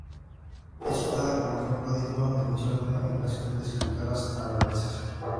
Es citada como ejemplo digno de mención de una generación de escritoras albanesas.